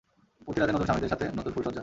প্রতি রাতে নতুন স্বামীদের সাথে নতুন ফুলসজ্জা।